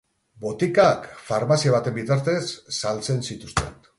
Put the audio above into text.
Botikak farmazia baten bitartez saltzen zituzten.